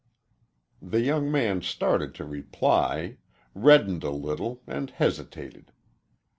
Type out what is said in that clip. The young man started to reply, reddened a little and hesitated.